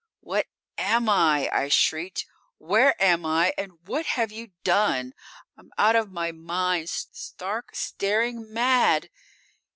_"What am I?" I shrieked. "Where am I and what have You done? I'm out of my mind; stark, staring mad!"